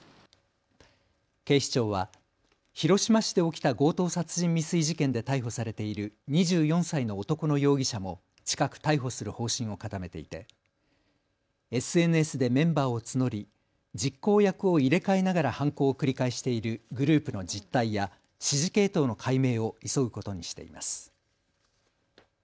警視庁は広島市で起きた強盗殺人未遂事件で逮捕されている２４歳の男の容疑者も近く逮捕する方針を固めていてＳＮＳでメンバーを募り実行役を入れ替えながら犯行を繰り返しているグループの実態や指示系統の解明を急ぐことにしています。